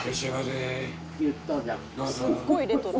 「すっごいレトロ」